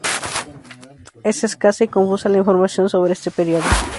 Es escasa y confusa la información sobre este período.